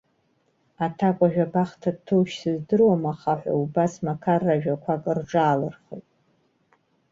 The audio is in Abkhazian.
Аҭакәажә абахҭа дҭоушь сыздыруам, аха ҳәа, убас мақарра ажәақәак рҿаалырхеит.